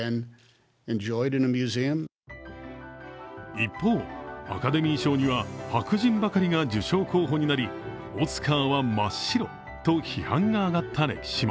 一方、アカデミー賞には白人ばかりが受賞候補になりオスカーは真っ白と批判が上がった歴史も。